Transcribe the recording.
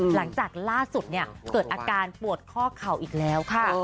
หลังจากล่าสุดเกิดอาการปวดข้อเข่าอีกแล้วค่ะ